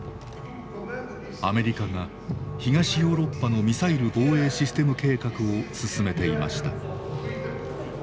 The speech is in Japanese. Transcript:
アメリカが東ヨーロッパのミサイル防衛システム計画を進めていました。